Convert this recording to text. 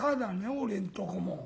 俺んとこも。